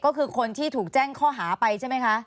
ก็คือคนที่ถูกแจ้งข้อหาไปใช่ไหมคะ